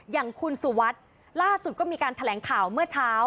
อย่างคุณสุวัสดิ์ล่าสุดก็มีการแถลงข่าวเมื่อเช้า